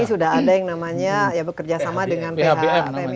sudah ada yang namanya bekerja sama dengan phpm